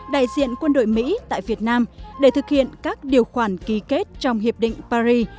đại diện quân đội mỹ tại việt nam để thực hiện các điều khoản ký kết trong hiệp định paris